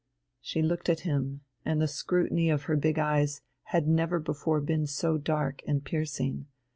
She looked at him, and the scrutiny of her big eyes had never before been so dark and piercing.